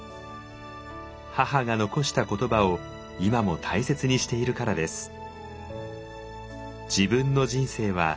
母が残した言葉を今も大切にしているからです。